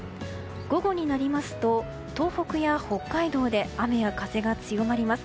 午後になりますと東北や北海道で雨や風が強まります。